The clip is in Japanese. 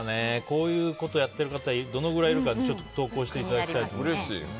こういうことやってる方どのぐらいいるかちょっと投稿していただきたい。